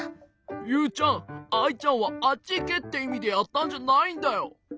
ユウちゃんアイちゃんはあっちいけっていみでやったんじゃないんだよ。